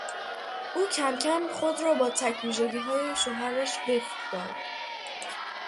او کمکم خود را با تک ویژگیهای شوهرش وفق داد.